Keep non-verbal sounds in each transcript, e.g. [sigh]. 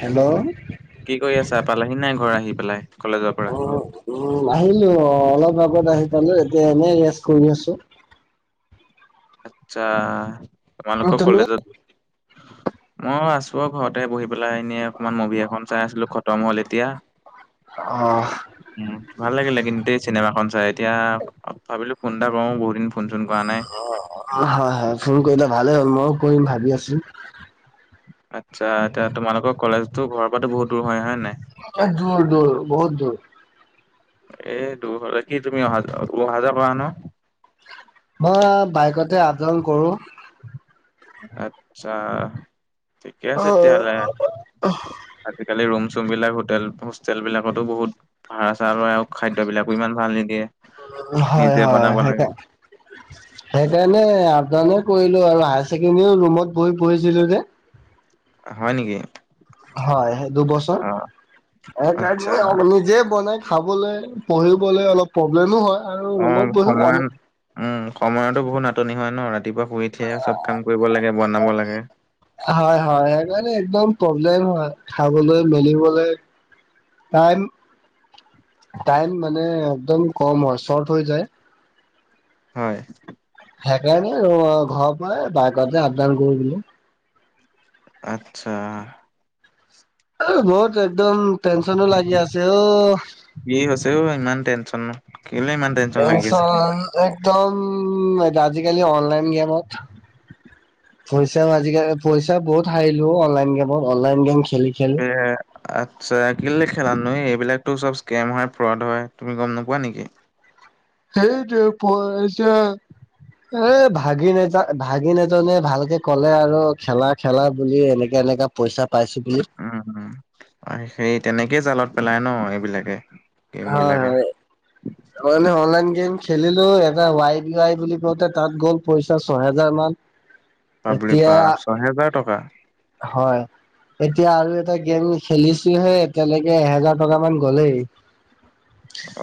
Hello, কি কৰি আছা পালাহি নাই ঘৰ আহি পেলাই কলেজৰ পৰা? অ', উম, আহিলো অ, অলপ আগত আহি পালো এতিয়া এনেই ৰেষ্ট কৰি আছো। আচ্ছা তোমালোকৰ তুমি কলেজত মইও আছো। তো'ঘৰতে বহি পেলাই এনে অকমান মুভি এখন চাই আছিলোখটম হল এতিয়া। অহ', উম, ভাল লাগিলে কিন্তু দেই চিনেমাখন চাই এতিয়া ভাবিলোঁ ফোন এটা কৰো বহুদিন ফোন চোন কৰা নাই। অ, হয়- হয় ফোন কৰিলা ভালেই হ'ল মইয়ো কৰিম ভাবি আছোঁ। আচ্ছা এতিয়া তোমালোকৰ কলেজতো ঘৰৰ পৰাতো বহুত দূৰ হয়- হয় নাই? এ দূৰ- দূৰ বহুত দূৰ। এ দূৰ হলে কি তুমি অহা যোৱা উহা যোৱা কৰা ন'? মই বাইকতে আপডাউন কৰোঁ। আতছা ঠিকে অ আছে তেতিয়াহ'লে। আজিকালি ৰুম চুম বিলাক হোটেল হোষ্টেল বিলাকতো বহুত ভাড়া চাড়া লয় আৰু খাদ্যবিলাকো ইমান ভাল নিদিয়ে। হয়- নিজে হয় বনাব লাগে সেইটো সেইকাৰণে আপডাউনে কৰিলোঁ আৰু হায়াৰ ছেকেণ্ডৰীও ৰুমত বহি পঢ়িছিলোঁ যে। অ, হয় নেকি? হয় সেই দুবছৰ, অ', অ তাত আচ্ছা মই নিজে বনাই খাবলৈ, পঢ়িবলে অলপ প্ৰব্লেমো হয় আৰু অ', ৰুমত বহিও সময় আম উম, সময়তো বহুত নাটনি হয় ন! ৰাতিপুৱা শুই উঠিয়ে চব কাম কৰিব লাগে, বনাব লাগে। হয়-হয়, সেইকাৰণে একদম প্ৰব্লেম হয় খাবলৈ-মেলিবলৈ। টাইম, টাইম মানে একদম কম হয় চৰ্ট হৈ যায়। হয়। সেইকাৰণে ঘৰৰ পৰাই বাইকতে আপ-ডাওন কৰি দিলো। আত্ছা! বহুত একদম টেনচনো লাগি আছে অ'। কি হৈছে অ ইমান টেনচন নো? কেলে ইমান লাগি আছে? টেনচন একদম আজিকালি অনলাইন গেমত। পইচা আজিকালি পইচা বহুত হাৰিলো অ, অনলাইন গেমত অনলাইন গেম খেলি খেলি। এ আচ্ছা কেলে খেলা নো? এইবিলাকতো চব স্কেম হয় ফ্ৰদ হয়, তুমি গম নোপোৱা নেকি? সেইটোৱে প-ইচা। এ ভাগিন এটা ভাগিন এজনে ভালকে ক'লে আৰু খেলা-খেলা বুলি এনেকা এনেকা পইচা পাইছো বুলি উম, সেই তেনেকেই জালত পেলাই ন এইবিলাকে গেম হয় বিলাকে। হয় নে? অনলাইন গেম খেলিলো এটা ৱাই ৱাই বুলি কওঁতে তাত গ'ল পইচা ছহেজাৰ মান। এতিয়া বাপৰে-বা ছহেজাৰ টকা? হয়। এতিয়া আৰু এটা গেম খেলিছো হে এতিয়ালৈকে এহেজাৰ টকা মান গ'লেই।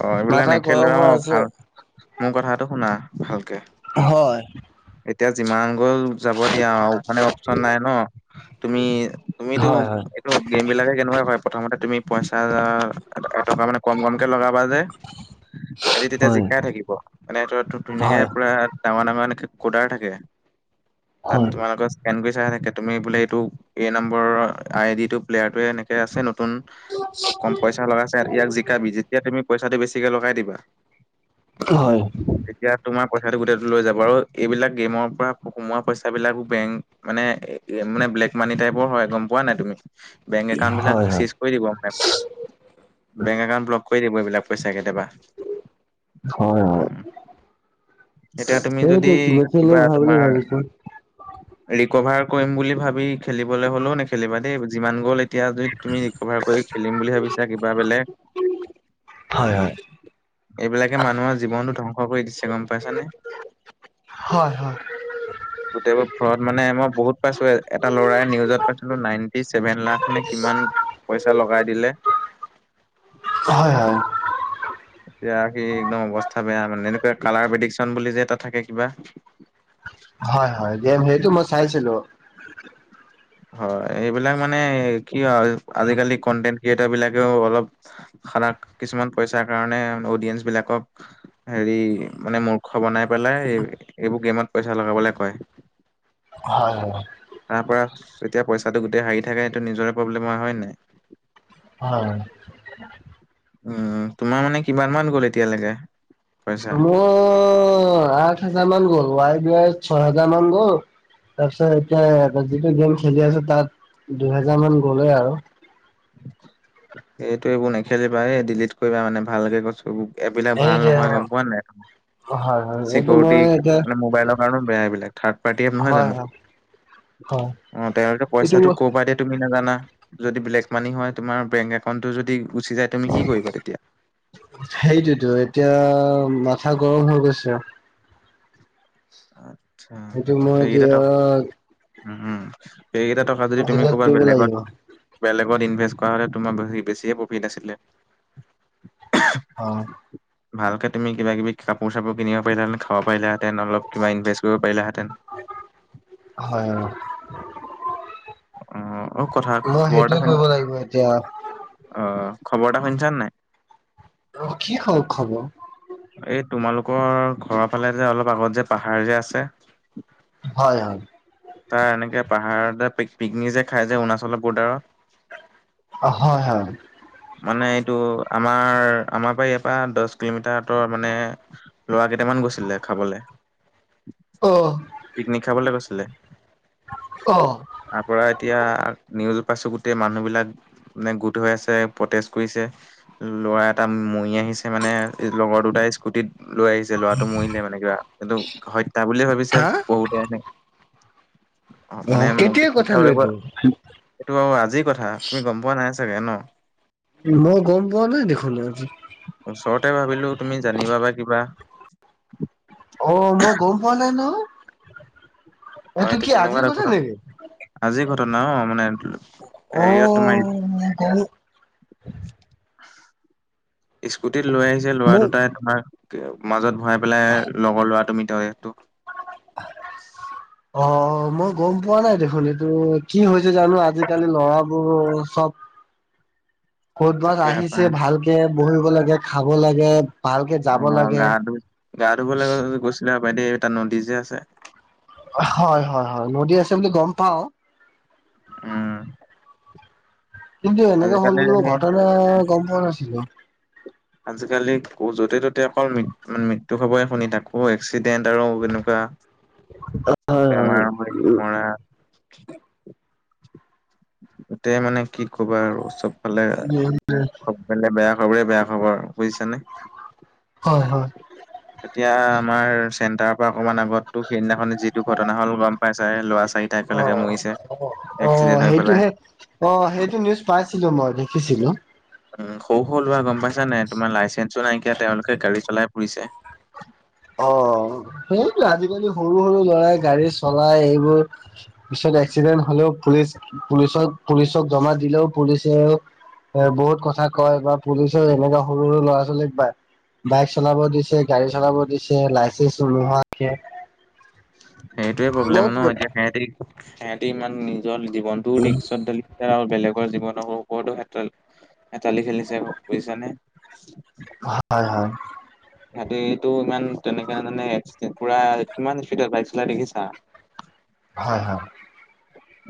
অ, এইবিলাক মাথা গৰম নেখেলিবা হৈ হা আছে ভাল মোৰ কথাটো শুনা ভালকে। হয়। এতিয়া যিমান গ'ল যাব দিয়া আৰু মানে অপচন নাই ন। তুমি-তুমিতো হয় এইটো গেম বিলাকে কেনেকুৱা হয় প্ৰথমতে তুমি পইচা যাৰ এটকা মানে কম-কম কে লগাবা যে। সেহেতি তেতিয়া হয় জিকাই থাকিব মানে ধৰ তোক ধুনীয়াকে হয় পুৰা ডাঙৰ-ডাঙৰ এনেকে কোদাৰ থাকে তাত হয় তোমালোকৰ [unintelligible] চাই থাকে তুমি বোলে এইটো এই নম্বৰ আই-ডি-টো প্লেয়াৰটোয়ে এনেকে আছে নতুন কম পইচা লগাইছে ইয়াক জিকাবি। যেতিয়া তুমি পইচাটো বেছিকে লগাই দিবা হয়। এতিয়া তোমাৰ পইচাটো গোটেইতো লৈ যাব আৰু এইবিলাক গেমৰ পৰা সোমোৱা পইচা বিলাকো বেংক মানে মানে ব্লেক মানি টাইপৰ হয় গম পোৱা নাই তুমি? বেংক একাউন্ট বিলাক হয় হয় চিজ কৰি দিব মানে বেংক একাউন্ট ব্লক কৰি দিব এইবিলাক পইচা কেতিয়াবা। হয় হয়, উম, এতিয়া তুমি যদি সেইটোতো নেখেলোঁ কিবা ভাল বুলি তোমাৰ ভাবিছো। ৰিকভাৰ কৰিম বুলি ভাবি খেলিবলৈ হ'লেও নেখেলিবা দেই যিমান গ'ল এ তিয়া যদি তুমি ৰিকভাৰ কৰি খেলিম বুলি ভাবিছা কিবা বেলেগ হয় হয়। এইবিলাকে মানুহৰ জীৱনটো ধ্বংস কৰি দিছে গম পাইছানে? হয় হয়। [inaudible] গোটেইবোৰ ঘৰত মানে মই বহুত পাইছো এটা ল'ৰাই নিউজত পাইছিলো নাইনটি ছেভেন লাখ নে কিমান পইচা লগাই দিলে। হয় হয়। এতিয়া সি একদম অৱস্থা বেয়া মানে এনেকুৱা কালাৰ পেদিক চন বুলি যে এটা থাকে কিবা। হয়-হয় গম সেইটো মই চাইছিলো। [inaudible] হয় এইবিলাক মানে কি হয় আজিকালি কন্টেন ক্ৰিয়েটাৰ বিলাকেও অলপ সানাক কিছুমান পইচাৰ কাৰণে অডিয়েন্ঞ্চ বিলাকক। হেৰি মানে মূৰ্খ বনাই পেলাই এই এইবোৰ গেমত পইচা লগাবলে কয়। হয় হয়। তাৰ পৰা যেতিয়া পইচাটো গোটেই হাৰি থাকে সেটো নিজৰে প্ৰব্লেম হ হয় নাই। হয়। উম তোমাৰ মানে কিমান মান গ'ল এতিয়ালৈকে। মো [unintelligible] অ আঠ হাজাৰ মান গ'ল ৱাই, যোৱাই ছয় হোজাৰ মান গ'ল তাৰপিছত এতিয়া যিটো গেম খেলি আছো তাত দুহেজাৰ মান গলেই আৰু এইটো এইবোৰ নেখেলিবা এই ডিলিট কৰিবা মানে ভালকে কৈছো এইবিলাক এই ভাল যে নহয় হয় গম পোৱা নাই হয় এইটো চিকিউৰিটি মই এতিয়া মানে মোবাইলৰ কাৰণে বেয়া এইবিলাক থাৰ্ড পাৰ্টি নহয় হয় জানো হয় হয় অ তেওঁলোকে এইটো পইচাটো মই কপা দিয়ে তুমি নাজানা যদি ব্লেক মানি হয় তোমাৰ বেংক একাউণ্টটো যদি গুচি যায় তুমি কি কৰিবা তেতিয়া সেইটোতো এতিয়া মাথা গৰম হৈ গৈছে আচ্ছা সেইটো মই এতিয়া উমহো এইকেইটা টকা যদি তুমি ডিলেট ক'ৰবাত কৰিব বেলেগত লাগিব বেলেগত ইনভেষ্ট কৰা হ'লে তোমাৰ বেছিয়ে প্ৰফিট আছিলে হয় ভালকে তুমি কিবা কিবি কাপোৰ চাপোৰ কিনিব পাৰিলাহেতে খাব পাৰিলাহেতেন অলপ কিবা ইনভেষ্ট কৰিব পাৰিলাহেঁতেন হয় অ অ কথা মই খবৰ এটা সেইটোৱে শুনি কৰিব লাগিব এতিয়া অ খবৰ এটা শুনিছা নে নাই অ কি খওক খবৰ এই তোমালোকৰ ঘৰৰ ফালে যে অলপ আগত যে পাহাৰ যে আছে হয় হয় তাৰ এনেকে পাহাৰ যে পিকনিক যে খাই যে অৰুণাচলৰ বৰ্ডাৰত হয় হয় মানে এইটো আমাৰ আমাৰ পৰা ইয়াৰ পৰা দহ কিলোমিটাৰ টৰ মানে ল'ৰা কেইটামান গৈছিলে খাবলে অ পিকনিক খাবলে গৈছিলে অ তাৰ পৰা এতিয়া নিউজ পাইছো গোটেই মানুহবিলাক মানে গোট হৈ আছে প্ৰটেজ কৰিছে ল'ৰা এটা মৰি আহিছে মানে লগৰ দুটাই স্কুটিত লৈ আহিছে লৰাটো মৰিলে মানে কিবা এইটো হত্যা বুলিয়ে ভাবিছে হা বহুতে এনে অ মানে মোক কেতিয়া পিকনিক কথানো খাবলে কোৱা এইটো এইটো আজিৰ কথা তুমি গম পোৱা নাই চাগে ন মই গম পোৱা নাই দেখোন আজি ওচৰতে ভাবিলো তুমি জানিবা বা কিবা অ মই গম পোৱা নাই নহয় এতো কি আজি কথা নেকি? আজি ঘটনা অ মানে হেৰিয়ত তোমাৰ অ' স্কুটিত লৈ আহিছে লৰা মোক দুটাই তোমাৰ মাজত ভৰাই পেলাই লগৰ ল'ৰা তুমি তাৱৈক টো অ মই গম পোৱা নাই দেখোন এইটো কি হৈছে জানো আজিকালি ল'ৰাবোৰ চব [unintelligible] ক'তবাছ তাকে আহিছে হপাই ভালকে বহিব লাগে খাব লাগে ভালকে অ যাব লাগে। গা ধুব গা ধুবলৈ গ গৈছিলে সপাই দেই তাত নদী যে আছে। হয় হয় হয় নদী আছে বুলি গম পাওঁ। উম কিন্তু এনেকে হ'ল আজিকালি বুলি মই ঘটনা গম পোৱা নাছিলো। আজিকালি য'তে ত'তে অকল ম মৃত্যু খবৰে শুনি থাক- অ এক্সিডেণ্ট আৰু তেনেকুৱা বেমাৰ হৈ মৰা এইটোৱে মানে কি কবা আৰু চবফালে খব ফালে বেয়া খবৰে বেয়া খবৰ বুজিছা নে। হয় হয়। এতিয়া আমাৰ চেণ্টাৰৰ পৰা অকণমান আগত তো সেইদিনাখনে যিটো ঘটনা হ'ল গম পাই ছাই ল'ৰা চাৰি টাই একেলগে অ', মৰিছে। অ', অ এক্সিডেণ্ট হৈ পেলাই সেইটোহে অ সেইটো নিউজ পাইছিলো মই দেখিছিলোঁ। উম সৰু সৰু লৰা গম পাইছা নাই তোমাৰ লাইচেন্সো নাইকিয়া তেওঁলোকে গাড়ী চলাই ফুৰিছে। অ সেইটো আজিকালি সৰু সৰু ল'ৰাই গাড়ী চলাই এইবোৰ। পিছত এক্সিডেণ্ট হলেও পুলিচ পুলিচক পুলিচক জমা দিলেও পুলিচে- এ বহুত কথা কয় বা পুলিচৰ এনেকুৱা সৰু সৰু ল'ৰা ছোৱালীক পায়। বাইক চলাব দিছে, গাড়ী চলাব দিছে লাইচেন্ঞ্চ নোহোৱাকে। সেইটোয়ে প্ৰব্লেম ন এতিয়া সিহঁতি সিহঁতি ইমান নি- জীৱনটো ৰিক্সছত ধালিছে আৰু বেলেগৰ জীৱন আকৌ ওপৰটো হেতালি খেলিছে বুজিছানে। হয় হয়। সিহঁতিটো ইমান তেনেকে মানে পুৰা কিমান স্পীডত বাইক চলাই দেখিছা। হয় হয়।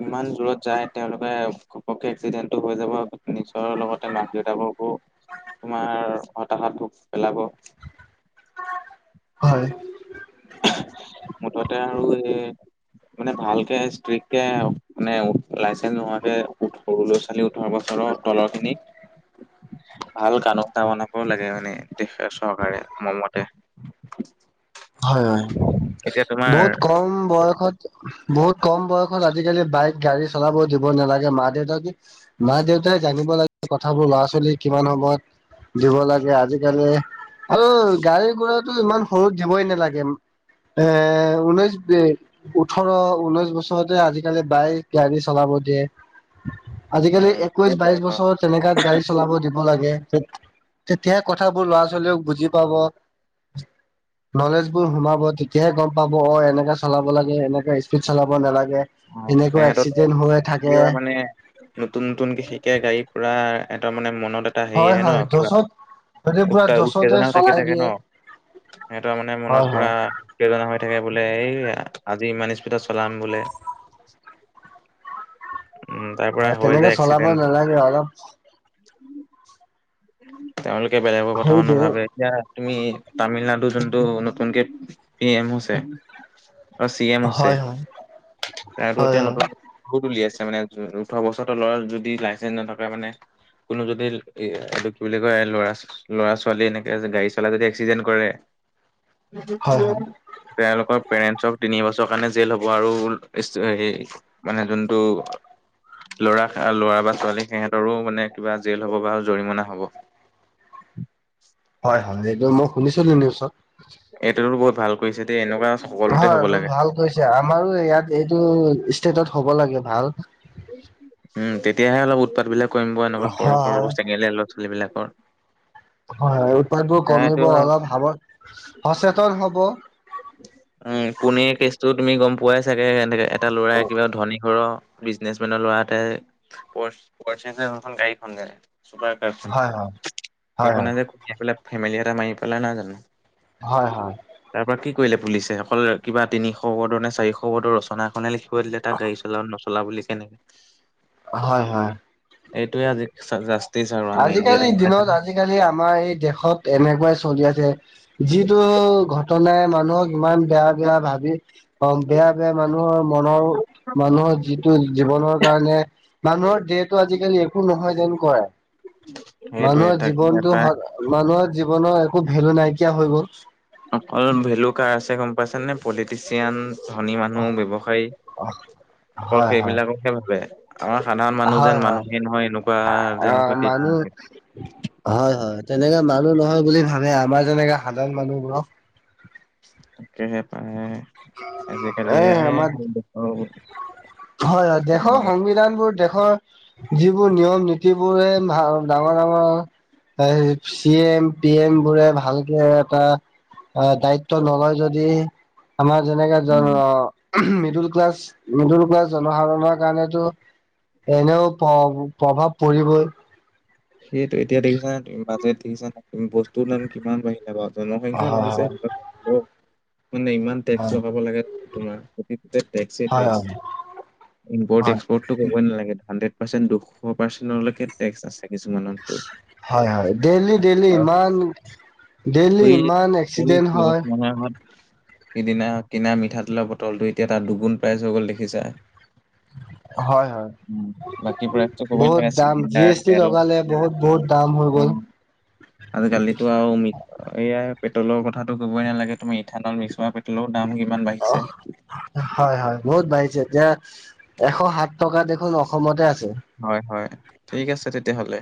ইমান দূৰত যায় তেওঁলোকে ঘপককে এক্সিডেণ্টটো হৈ যাব। নিজৰ লগতে মাক দেউতাককো- তোমাৰ হতাহত ভোগ পেলাব। হয়। মুঠতে আৰু এই- মানে ভালকে ষ্ট্ৰিক্ট কে মানে লাইচেন্স নোহোৱাকে উঠ- সৰু ল'ৰা ছোৱালী ওঠৰ বছৰৰ তলৰ খিনিক- ভাল গান টা বনাবও লাগে মানে দেশ চৰকাৰে মোৰ মতে। হয় হয় এতিয়া তোমাৰ বহুত কম বয়সত। বহুত কম বয়সত আজিকালি বাইক গাড়ী চলাব দিব নালাগে মা দেউতাকে মা দেউতাই জানিব লাগে কথাবোৰ ল'ৰা ছোৱালীৰ কিমান সময়ত- দিব লাগে আজিকালি আৰু গাড়ী গুৰা ইমান সৰু দিবই নালাগে। আহ ঊনৈছ-বিশ। ওঠৰ ঊনৈশ বছৰতে আজিকালি বাইক গাড়ী চলাব দিয়ে। আজিকালি উম একৈশ সেইটোৱে বাইশ ন বছৰত- তেনেকাত গাড়ী চলাব দিব লাগে তেতিয়া কথাবোৰ ল'ৰা ছোৱালীক বুজি পাব। নলেজ বোৰ সোমাব তেতিয়াহে গম পাব অ এনেকা চলাব লাগে, এনেকে স্পীড চলাব নালাগে। এনেকা সিহঁততো এক্সিডেন্ট হৈ কি থাকে। হয় মানে নতুন নতুন বিশেষকে গাড়ী ফুৰা এটা মানে মনত এ- এটা হেৰি হয় আহে ন হয় কিবা যচত যদি পুৰা উত যচতে উত্তেজনাও থাকি চলাই থাকে ন। দিয়ে সেহতৰ মানে হয় মনত পুৰা- হয় উত্তেজনা হৈ থাকে বোলে এই আজি ইমান স্পীডত চলাম বোলে। [inaudible] উম তাৰ পৰা হয় হৈ তেনেকে যায় চলাব এক্সিডেন্ট নালাগে, অলপ- তেওঁলোকে বেলেগৰ হেৰি কথাও দিয়ে নাভাবে। এতিয়া তুমি তামিলনাডু যোনটো নতুনকে পি এম হৈছে- অ চি এম হৈছে হয় হয় আৰু হয় এতিয়া হয় নতুন- বহুত উলিয়াইছে মানে ওঠৰ বছৰৰ ল'ৰা যদি লাইচেন্ঞ্চ নাথাকে মানে- কোনো যদি এই দিক কি বুলি কয়, লৰা ল'ৰা ছোৱালী এনেকে গাড়ী চলাই যদি এক্সিডেণ্ট কৰে। হয় হয় [unintelligible] তেওঁলোকৰ পেৰেন্টছৰ তিনি বছৰ কাৰণে জেল হ'ব আৰু ষ্টু সেই মানে যোনটো ল'ৰা ল'ৰা বা ছোৱালী সিহঁতৰো মানে কিবা জেল হব বা জৰিমনা হব। [unintelligible] হয়-হয় এইটো মই শুনিছিলো নিউজত। এইটোতো বহুত ভাল কৰিছে দেই এনেকুৱা সকলোতে হ'ব হয় ৰূল লাগে ভাল কৰিছে। আমাৰো ইয়াত এইটো ষ্টেটত হ'ব লাগে ভাল। উম, তেতিয়াহে অলপ উৎপাত বিলাক কমিব এনেকুৱা সৰু সৰু হয় চেঙেলীয়া ল'ৰা ছোৱালী বিলাকৰ। হয়-হয় উৎপাতবোৰ এইটো কমিব অলপ সাৱ সচেতন হ'ব। উম, পুনেৰ কেচটো তুমি গম পোৱাই চাগে, এনেকে এটা ল'ৰাই কিবা ধনী ঘৰৰ বিজনেচ মেনৰ ল'ৰা এটাই [unintelligible] গাড়ীখন যে চুপাৰ কাৰ খন হয় হয় হয় সেইখনে যে খুন্দিয়াই পেলাই ফেমিলি এটা মাৰি পেলা নাই জানো। হয় হয়। তাৰ পৰা কি কৰিলে পুলিচছে অকল কিবা তিনিশ বৰ্ডৰ নে চাৰিশ ৰ্ডৰ ৰচনা এখনে লিখিল থয় দিলে তাক গাড়ী চলা নচলা বুলি কেনে। হয় হয়। এইটোয়ে আজি জাস্টিস আৰু আমাৰ ইণ্ডিয়াত আজিকালিৰ গম দিনত পাইছানে। আজিকালি আমাৰ এই দেশত এনেকুৱাই চলি আছে যিটো ঘটনাই মানুহক ইমান বেয়া বেয়া ভাবি অ, বেয়া বেয়া মানুহৰ মনৰ মানুহৰ যিটো জীৱনৰ কাৰণে মানুহৰ যিহেতু আজিকালি একো নহয় যেন কৰে। [unintelligible] মানুহৰ তাকে এটাই জীৱনতটো, মানুহৰ জীৱনৰ একো ভেলু নাইকিয়া হৈ গ'ল। অকল ভেলু কাৰ আছে গম পাইছা নে পলিটিচিয়ান ধনী মানুহ ব্যৱসায়ী। অকল হয় হয়। সেইবিলাককহে ভাবে। আমাৰ সাধাৰণ মানুহ হয় যেন হয় মানুহে নহয় এনেকুৱা যেনেকুৱা ট্ৰিটমেন্ট দিয়ে। হয়-হয়। তেনেকা মানুহ নহয় বুলি ভাবে আমাৰ যেনেকাে সাধাৰণ মানুহ বোৰক। তাকেহে পায় আজিকালি। এ [unintelligible] হয়-হয়, দেশৰ সংবিধান বোৰ দেশৰ যিবোৰ নিয়ম নীতি বোৰে ডাঙৰ-ডাঙৰ [unintelligible] চি এম পি এম বোৰে ভালকে এটা অ' দায়িত্ব নলয় যদি আমাৰ যেনেকা উম। মিডিল ক্লাছ, মিডিল ক্লাছ জনসাধাৰণৰ কাৰণেতো এনেও প্ৰ প্ৰভাৱ পৰিবই। সেইটো এতিয়া দেখিছানে, বাজেট দেখিছা বস্তু দাম কিমান বাঢ়িলে বাৰু। জনসংখ্যা হয় বাঢ়িছে হয় মানে ইমান টেক্স লগাব লাগে তোমাৰ [unintelligible] টেক্স এ হয় টেক্স। হয় ইমপোৰ্ট হয় হয় এক্সপোৰ্ট তো কবই নালাগে, হাড্ৰেড পাৰ্চেন্ট দুশ পাৰ্চেন্ট লয়কে টেক্স আছে। কিছুমানৰ। হয় হয়, ডেইলি ডেইলি ইমান ডেইলি সেই ইমান সেই এক্সিডেন্ট হয়। কেইবছৰমানৰ আগত সিদিনা কিনা মিঠাতেলৰ বটলটো এতিয়া তাত দুগুণ প্ৰাইজ হৈ গ'ল দেখিছা। হয় হয় উম, বাকী প্ৰাইচটো ক'বই বহুত নালাগে দাম জি চিলিণ্ডাৰ এছ টি তেল লগালে বহুত-বহুত দাম হৈ গ'ল। [inaudible] আজিকালিতো আৰু এইয়াই পেট্ৰলৰ কথাটো ক'বই নালাগে তুমি ইথানল মিক্স কৰা তেলৰ দাম কিমান বাঢ়িছে। হয়-হয়। বহুত বাঢ়িছে এতিয়া এশ সাত টকা দেখোন অসমতে আছে। হয়-হয়, ঠিক আছে তেতিয়াহ'লে।